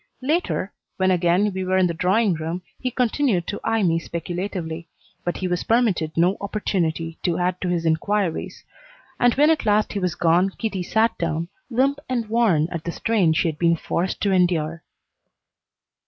Later, when again we were in the drawing room, he continued to eye me speculatively, but he was permitted no opportunity to add to his inquiries; and when at last he was gone Kitty sat down, limp and worn at the strain she had been forced to endure.